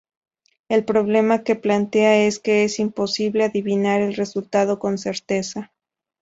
El problema que plantea es que es imposible adivinar el resultado con certeza.